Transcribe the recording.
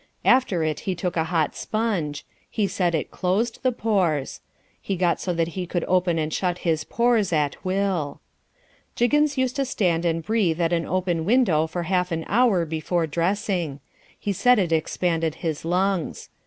After it he took a hot sponge. He said it closed the pores. He got so that he could open and shut his pores at will. Jiggins used to stand and breathe at an open window for half an hour before dressing. He said it expanded his lungs.